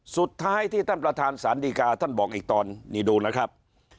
สุดท้ายที่ท่านประธานสารดีกาท่านบอกอีกตอนนี้ดูนะครับ